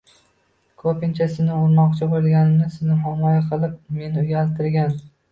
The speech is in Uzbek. Ko'pincha sizni urmoqchi bo'lganimda, sizni himoya qilib, meni uyaltirgan.